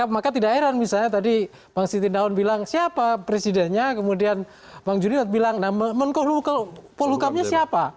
maka tidak heran misalnya tadi bang siti daun bilang siapa presidennya kemudian bang junior bilang nah menko polhukamnya siapa